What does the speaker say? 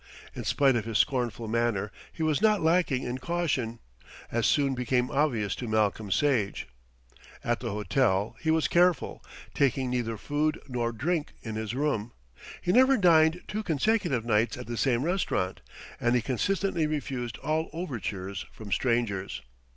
In spite of his scornful manner, he was not lacking in caution, as soon became obvious to Malcolm Sage. At the hotel he was careful, taking neither food nor drink in his room. He never dined two consecutive nights at the same restaurant, and he consistently refused all overtures from strangers.